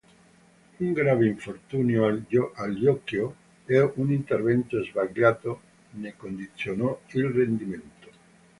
Un grave infortunio al ginocchio e un intervento sbagliato ne condizionò il rendimento.